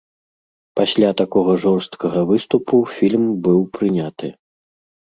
Пасля такога жорсткага выступу фільм быў прыняты.